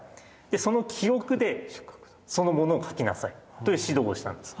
その記憶でそのモノを描きなさいという指導をしたんです。